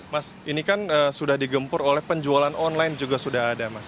mas ini kan sudah digempur oleh penjualan online juga sudah ada mas